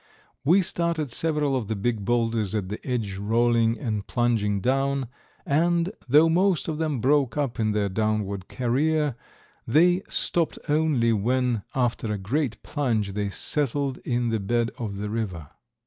We started several of the big boulders at the edge rolling and plunging down, and, though most of them broke up in their downward career, they stopped only when, after a great plunge, they settled in the bed of the river.